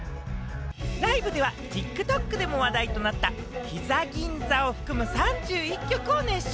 ライブではＴｉｋＴｏｋでも話題となった『膝銀座』を含む３１曲を熱唱。